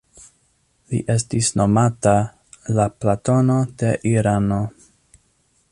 Li estis nomita «la Platono de Irano».